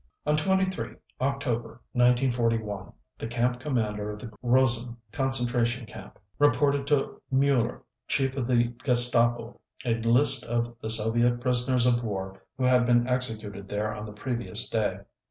On 23 October 1941 the camp commander of the Gross Rosen concentration camp reported to Müller, Chief of the Gestapo, a list of the Soviet prisoners of war who had been executed there on the previous day.